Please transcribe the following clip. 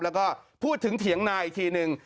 แล้วก็พูดถึงเถียงนาอีกทีนึง